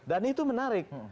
dan itu menarik